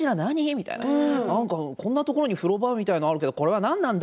みたいなこんなところに風呂場みたいなのがあるけどこれは何なんだ？